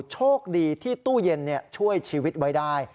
โชคดีที่ตู้เย็นช่วยชีวิตไว้ได้